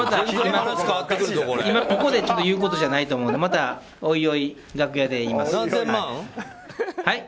今、ここで言うことじゃないと思うんでまたおいおい楽屋で言います。